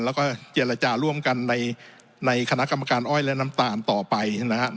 แล้วก็เจรจาร่วมกันในคณะกรรมการอ้อยและน้ำตาลต่อไปนะครับ